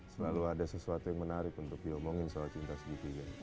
selalu ada sesuatu yang menarik untuk diomongin soal cinta segitiga